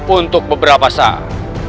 untuk beberapa saat